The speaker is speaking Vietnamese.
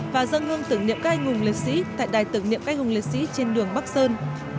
và dân hương tửng niệm các anh hùng liệt sĩ tại đài tửng niệm các anh hùng liệt sĩ trên đường bắc sơn